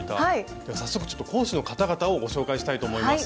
では早速講師の方々をご紹介したいと思います。